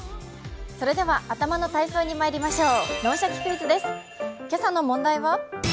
それでは、頭の体操にまいりましょう。